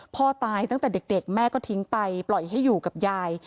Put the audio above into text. พ่อตายตั้งแต่เด็กแม่ก็ทิ้งไปปล่อยให้อยู่กับยาย